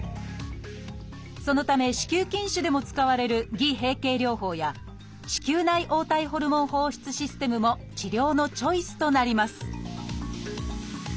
そのため子宮筋腫でも使われる偽閉経療法や子宮内黄体ホルモン放出システムも治療のチョイスとなります